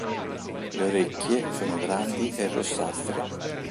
Le orecchie sono grandi e rossastre.